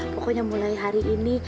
pokonya mulai hari ini